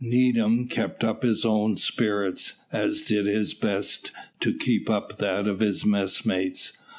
Needham kept up his own spirits, and did his best to keep up that of his messmates.